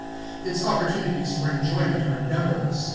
Its opportunities for enjoyment are numberless.